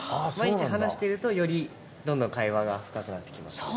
毎日話してるとよりどんどん会話が深くなってきます。